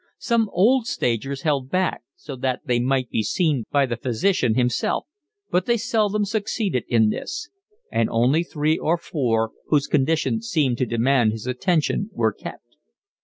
Some old stagers held back so that they might be seen by the physician himself, but they seldom succeeded in this; and only three or four, whose condition seemed to demand his attention, were kept.